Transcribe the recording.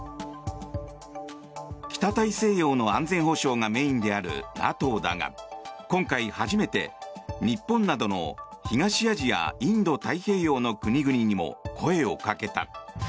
北大西洋の安全保障がメインであるＮＡＴＯだが今回、初めて日本などの東アジアインド太平洋の国々にも声をかけた。